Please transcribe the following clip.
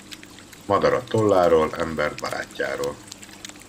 Madarat tolláról, embert barátjáról.